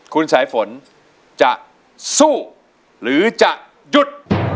คุณสายฝนจะสู้หรือจะหยุด